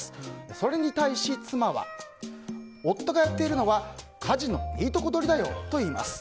それに対し、妻は夫がやっているのは家事のいいとこ取りだよと言います。